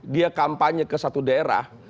dia kampanye ke satu daerah